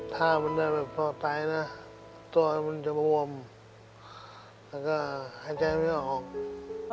ถ้ามันได้แบบพอตายนะตัวมันจะบวมแล้วก็หายใจไม่ออก